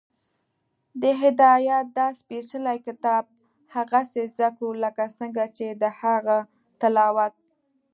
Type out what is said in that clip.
د هدایت دا سپېڅلی کتاب هغسې زده کړو، لکه څنګه چې د هغه تلاوت